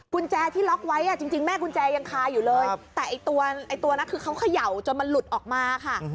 กุญแจที่ล็อกไว้จริงแม่กุญแจยังคาอยู่เลยแต่ตัวนั้นคือเขาเขย่าจนมันหลุดออกมาค่ะ